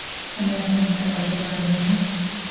আমি এখন একটা বাসা ভাড়া নেব।